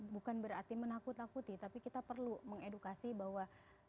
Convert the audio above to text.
bukan berarti menakut takuti tapi kita perlu mengedukasi bahwa